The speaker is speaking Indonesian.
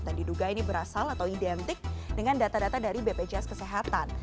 dan diduga ini berasal atau identik dengan data data dari bpjs kesehatan